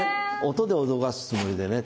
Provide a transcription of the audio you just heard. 音で脅かすつもりでね